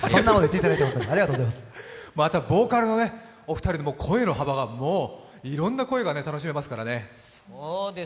ボーカルのお二人の声の幅が、いろんな声が楽しめますからね。